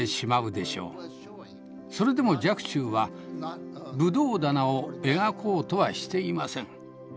それでも若冲はブドウ棚を描こうとはしていません。